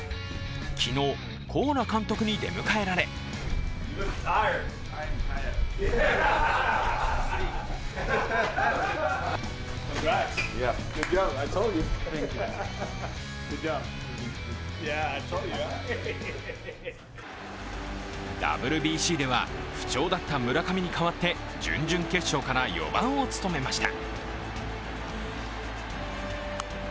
昨日、コーラ監督に出迎えられＷＢＣでは不調だった村上に代わって準々決勝から４番を務めました。